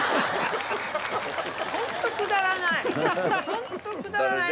ホントくだらない。